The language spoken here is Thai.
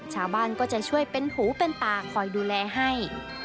ชาวบ้านก็จะช่วยเป็นหูเป็นตาคอยดูแลให้